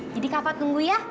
jadi kak fah tunggu ya